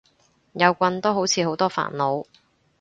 有棍都好似好多煩惱